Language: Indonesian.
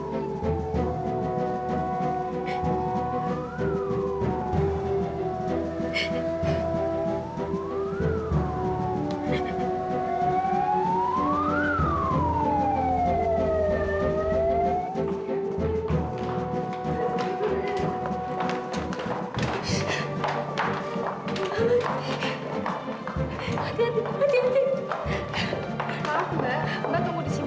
jatuh dari helikopter